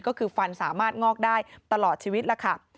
ก็คือฟันสามารถงอกได้ตลอดชีวิตล่ะค่ะ